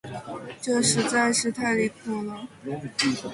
这实在是太离谱了。